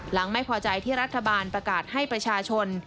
หลังไม่พอใจที่รัฐบาลประกาศให้ประชาชน